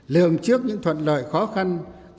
lường trước những thuận loại khó khăn